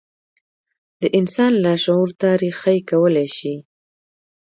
د انسان لاشعور ته رېښې کولای شي.